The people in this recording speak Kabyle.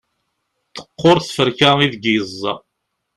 teqqur tferka ideg yeẓẓa